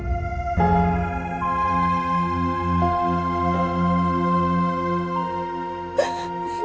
please jangan pisahin kita berdua